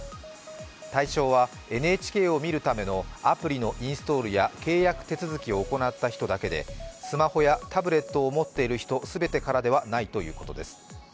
対象は、ＮＨＫを見るためのアプリのインストールや契約手続きを行った人だけでスマホやタブレットを持っている人全てからではないということです。